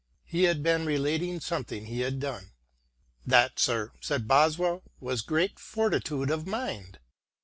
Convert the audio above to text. He had been relating something he had done. "That, sir," said Boswell, "was great fortitude of mind."